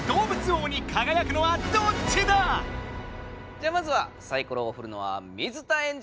じゃあまずはサイコロをふるのは水田エンジ！